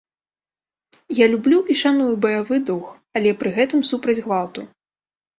Я люблю і шаную баявы дух, але пры гэтым супраць гвалту.